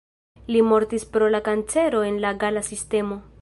Li mortis pro la kancero en la gala sistemo.